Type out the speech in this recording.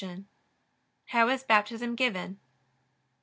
How is Baptism given?